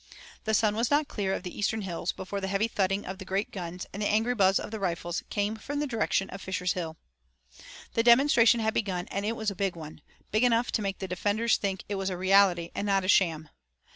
The sun was not clear of the eastern hills before the heavy thudding of the great guns and the angry buzz of the rifles came from the direction of Fisher's Hill. The demonstration had begun and it was a big one, big enough to make the defenders think it was reality and not a sham.